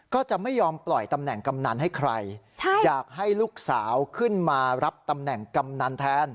ก็จะไม่ยอมปล่อยตำแหน่งกำนันให้ใครอยากให้ลูกสาวขึ้นมารับตำแหน่งกำนันแทน